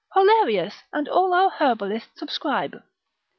Hollerius, and all our herbalists subscribe.